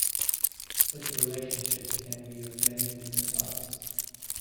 Such relationships can be of many different types.